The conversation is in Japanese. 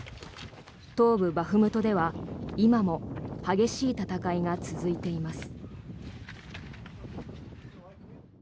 東部バフムトでは今も激しい戦いが続いています。